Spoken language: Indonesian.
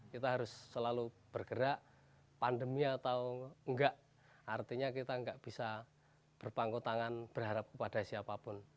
kita harus selalu bergerak pandemi atau enggak artinya kita nggak bisa berpangku tangan berharap kepada siapapun